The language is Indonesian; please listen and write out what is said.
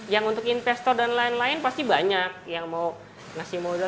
yang untuk investor dan lain lain pasti banyak yang mau ngasih modal